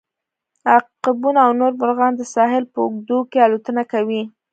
عقابونه او نور مرغان د ساحل په اوږدو کې الوتنه کوي